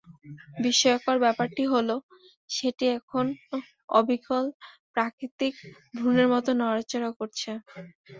বিস্ময়কর ব্যাপার হলো, সেটি এখন অবিকল প্রাকৃতিক ভ্রূণের মতো নড়াচড়া করছে।